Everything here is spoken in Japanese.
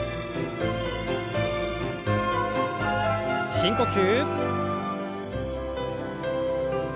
深呼吸。